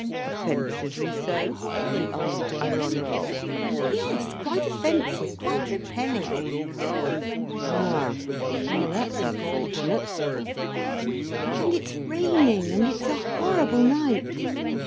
"Offensively so?" he asked ironically. "Yes, quite offensive. Quite repelling." "Ah!! Well that's unfortunate." "And it's raining, and it's a horrible night.